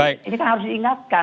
ini kan harus diingatkan